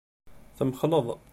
Temxelleḍ.